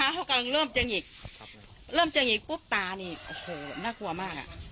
น่าจะตกใจสุดขีดผมว่า